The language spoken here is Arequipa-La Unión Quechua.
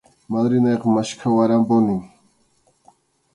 Madrinayqa maskhawarqanpunim.